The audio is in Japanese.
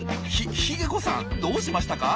ヒヒゲ子さんどうしましたか？